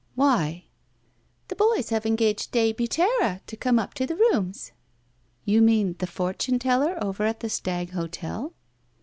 Why?" The boys have engaged De Butera to come up to the rooms." "You mean the fortune teller over at the Stag Hotel?"